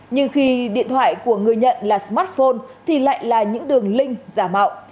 nhưng khi điện thoại của người nhận là smartphone thì lại là những đường link giả mạo